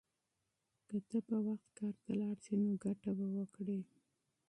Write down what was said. که ته په وخت کار ته لاړ شې نو ګټه به وکړې.